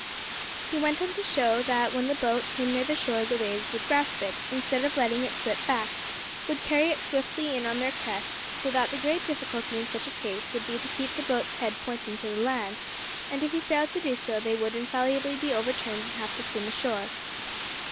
He went on to show that when the boat came near the shore the waves would grasp it, instead of letting it slip back; would carry it swiftly in on their crests, so that the great difficulty in such a case would be to keep the boat's head pointing to the land, and if he failed to do so, they would infallibly be overturned and have to swim ashore.